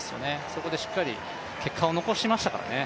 そこでしっかり結果を残しましたからね。